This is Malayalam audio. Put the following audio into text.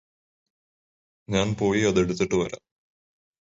ഞാന് പോയി അത് എടുത്തിട്ട് വരാം